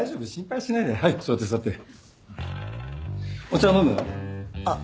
お茶飲む？あっ。